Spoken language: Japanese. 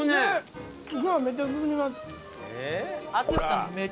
めっちゃ進みます。